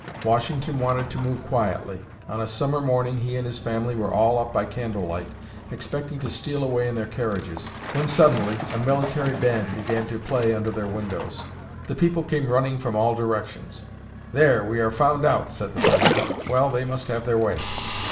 Washington wanted to move quietly. On a summer morning, he and his family were all up by candle light, expecting to steal away in their carriages, when, suddenly, a military band began to play under their windows! The people came running from all directions. "There, we are found out!" said the President. "Well, they must have their way."